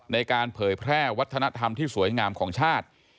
เผยแพร่วัฒนธรรมที่สวยงามของชาติ